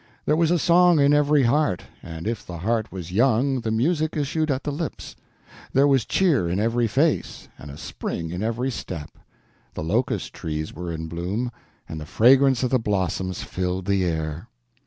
There was a song in every heart; and if the heart was young the music issued at the lips. There was cheer in every face, and a spring in every step. The locust trees were in bloom, and the fragrance of the blossoms filled the air.